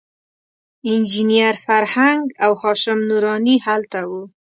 انجینر فرهنګ او هاشم نوراني هلته وو.